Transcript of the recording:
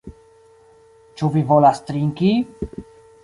Ĉu vi volas trinki?